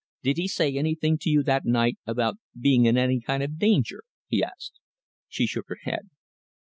"Did he say anything to you that night about being in any kind of danger?" he asked. She shook her head.